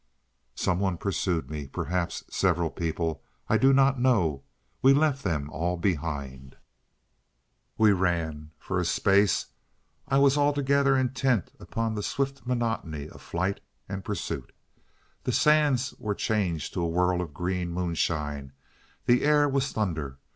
Some one pursued me, perhaps several people—I do not know, we left them all behind. ... We ran. For a space I was altogether intent upon the swift monotony of flight and pursuit. The sands were changed to a whirl of green moonshine, the air was thunder.